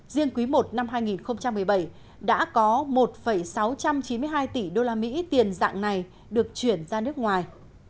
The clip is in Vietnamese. riêng quý i năm hai nghìn một mươi bảy đã có một sáu trăm chín mươi hai tỷ usd tiền dạng này được chuyển ra nước ngoài